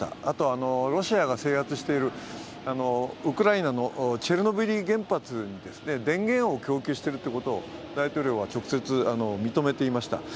あと、ロシアが制圧しているウクライナのチェルノブイリ原発に電源を供給しているということを大統領は直接認めていました。